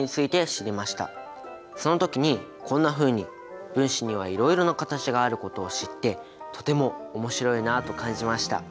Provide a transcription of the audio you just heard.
その時にこんなふうに分子にはいろいろな形があることを知ってとても面白いなあと感じました。